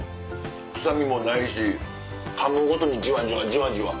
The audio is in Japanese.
臭みもないしかむごとにじわじわじわじわ。